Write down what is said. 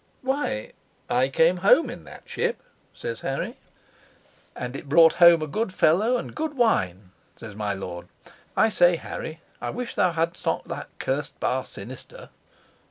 "Why, I came home in that ship," says Harry. "And it brought home a good fellow and good wine," says my lord. "I say, Harry, I wish thou hadst not that cursed bar sinister."